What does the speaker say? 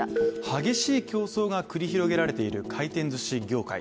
激しい競争が繰り広げられている回転ずし業界。